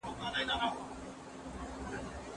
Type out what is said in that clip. هغې غوښتل چې د سنتو د سپکاوي مخه په کلکه ونیول شي.